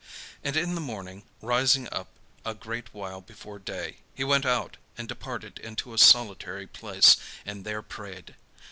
And in the morning, rising up a great while before day, he went out, and departed into a solitary place, and there prayed.